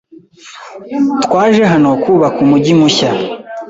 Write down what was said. Twaje hano kubaka umujyi mushya.